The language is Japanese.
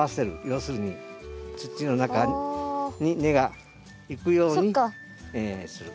要するに土の中に根が行くようにする。